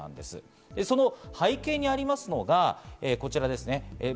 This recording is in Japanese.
その背景にありますのがこちらです。